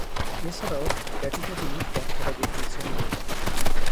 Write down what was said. এছাড়াও, ব্যাটিংয়ে তিনি দক্ষতা দেখিয়েছেন।